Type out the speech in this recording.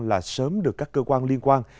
là sớm được các cơ quan liên quan